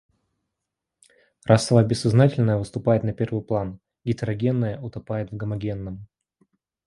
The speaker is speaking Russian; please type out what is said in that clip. Расовое бессознательное выступает на первый план, гетерогенное утопает в гомогенном.